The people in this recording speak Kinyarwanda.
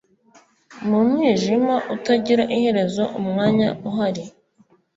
mu mwijima, utagira iherezo umwanya uhari